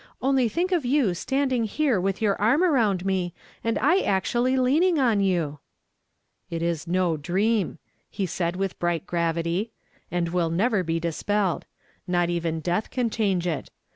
Only think of you standing here with your arn round me, and I actually leaning on you !"" It is no dream," he said with bright gravity, "• and will never be dispelled. Not even <leath can change it.